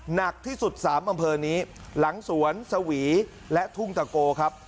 หนักที่สุด๓อำเภอนี้หลังสวนสวีและทุ่งตะโกครับ